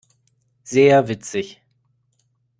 Sehr witzig!